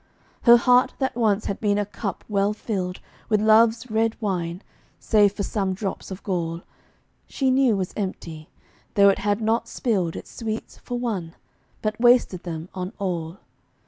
Her heart that once had been a cup well filled With love's red wine, save for some drops of gall She knew was empty; though it had not spilled Its sweets for one, but wasted them on all.